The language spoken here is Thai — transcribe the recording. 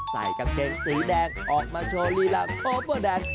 ใส่กางเกงสีแดงออกมาโชว์ลีลาโคเวอร์แดน